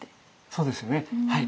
そうですねはい。